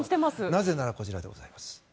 なぜならこちらでございます。